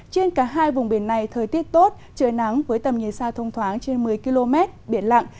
trên cả hai vùng biển này thời tiết tốt trời nắng với tầm nhìn xa thông thoáng trên một mươi km biển lặng